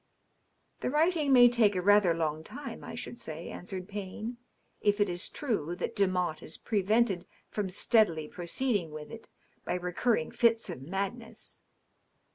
'*" The writing may take a rather long time, I should say," answered Payne, " if it is true that Demotte is prevented from steadily proceed ing with it by recurrent fits of madness.'